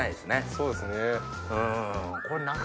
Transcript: そうですね。